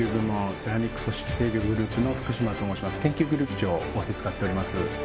私研究グループ長を仰せつかっております